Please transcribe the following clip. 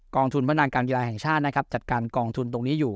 ทุนพนาการกีฬาแห่งชาตินะครับจัดการกองทุนตรงนี้อยู่